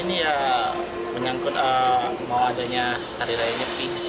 karena ini ya menyangkut mau adanya tariraya nyepi